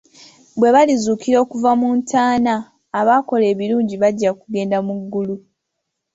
Bwe balizuukira okuva mu ntaana abaakola ebirungi bajja kugenda mu ggulu.